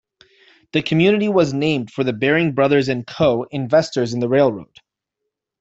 The community was named for the Baring Brothers and Co., investors in the railroad.